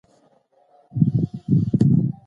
هغه وویل چي ښه خلک د رڼا په څېر دي.